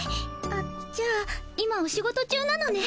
あっじゃあ今お仕事中なのね。